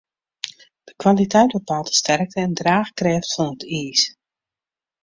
De kwaliteit bepaalt de sterkte en draachkrêft fan it iis.